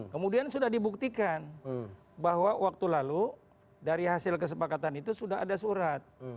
kemudian sudah dibuktikan bahwa waktu lalu dari hasil kesepakatan itu sudah ada surat